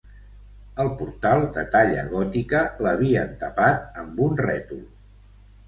El portal, de talla gòtica, l'havien tapat am un rètol